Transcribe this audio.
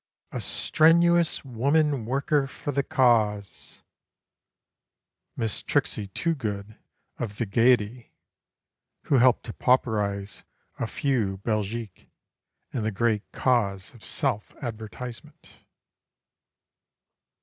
"A strenuous woman worker for the Cause" (Miss Trixie Toogood of the Gaiety, Who helped to pauperize a few Belgiques In the great cause of self advertisement!)